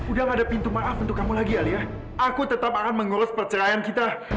udah gak ada pintu maaf untuk kamu lagi alia aku tetap akan mengurus perceraian kita